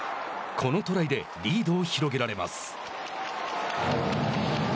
このトライでリードを広げられます。